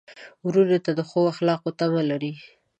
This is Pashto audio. ورور ته د ښو اخلاقو تمه لرې.